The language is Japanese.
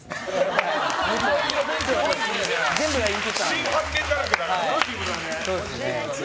新発見だらけだからね。